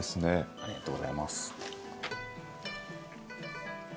ありがとうございます。